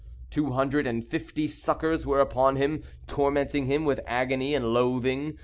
Two hundred and fifty suckers were upon him, tormenting him with agony and loathing.